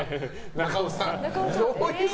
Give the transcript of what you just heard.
中尾さん。